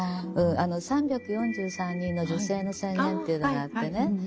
３４３人の女性の宣言っていうのがあってね